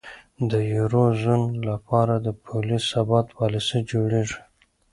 د یورو زون لپاره د پولي ثبات پالیسۍ جوړیږي.